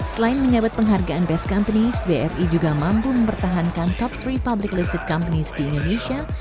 selain menyabet penghargaan best companies bri juga mampu mempertahankan cop tiga public licid companies di indonesia